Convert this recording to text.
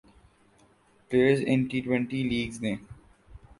players in T twenty leagues نے